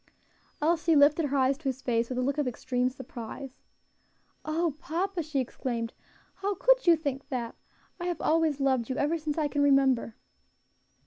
Elsie lifted her eyes to his face with a look of extreme surprise. "O papa!" she exclaimed, "how could you think that? I have always loved you, ever since I can remember."